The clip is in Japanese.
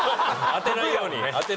当てないようにね。